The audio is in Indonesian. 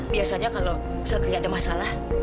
biasanya kalau seperti ada masalah